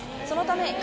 そのため。